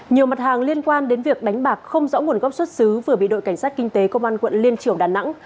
nhiều mặt hàng liên quan đến việc đánh bạc không rõ nguồn gốc xuất xứ vừa bị đội cảnh sát kinh tế công an quận liên triều đà nẵng